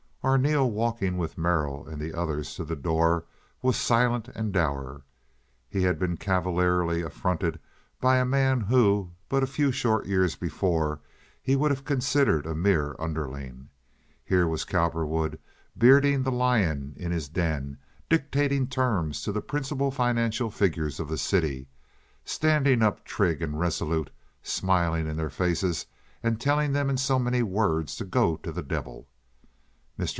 Arneel, walking with Merrill and the others to the door, was silent and dour. He had been cavalierly affronted by a man who, but a few short years before, he would have considered a mere underling. Here was Cowperwood bearding the lion in his den, dictating terms to the principal financial figures of the city, standing up trig and resolute, smiling in their faces and telling them in so many words to go to the devil. Mr.